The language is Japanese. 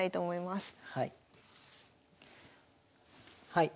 はい。